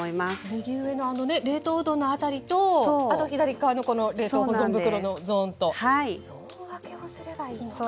右上のあのね冷凍うどんの辺りとあと左側のこの冷凍保存袋のゾーンとゾーン分けをすればいいのか。